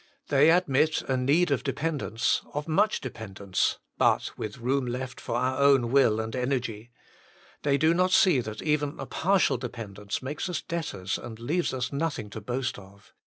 They admit a need of depend ence, of much dependence, but with room left for our own will and energy. They do not see that even a partial dependence makes us debtors, and leaves us nothing to boast of.